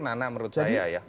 menarik menurut saya